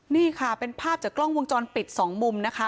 นี่ค่ะเป็นภาพจากกล้องวงจรปิดสองมุมนะคะ